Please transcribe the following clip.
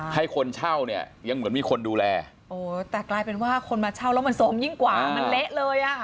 ให้คนเช่าเนี่ยยังเหมือนมีคนดูแลโอ้แต่กลายเป็นว่าคนมาเช่าแล้วมันโซมยิ่งกว่ามันเละเลยอ่ะ